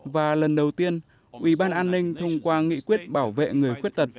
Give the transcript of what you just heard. và lần đầu tiên ủy ban an ninh thông qua nghị quyết bảo vệ người khuyết tật